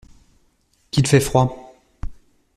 Qu’il fait froid !